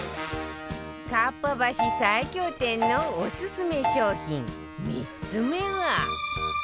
かっぱ橋最強店のオススメ商品３つ目は